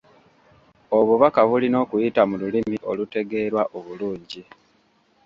Obubaka bulina okuyita mu lulimi olutegeerwa obulungi.